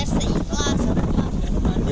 sudah seratus baiknya